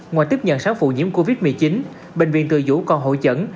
ngoài tiếp nhận sáu phụ nhiễm covid một mươi chín bệnh viện từ dũ còn hội chẩn